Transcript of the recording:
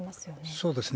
そうですね。